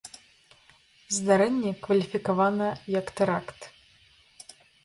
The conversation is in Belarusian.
Здарэнне кваліфікавана як тэракт.